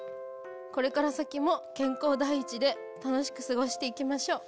これから先も健康第一で楽しく過ごして行きましょう。